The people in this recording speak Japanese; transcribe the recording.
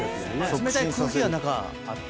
冷たい空気が中あって？